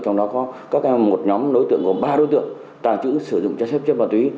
trong đó có các em một nhóm đối tượng gồm ba đối tượng tàng trữ sử dụng chất xếp chất ma túy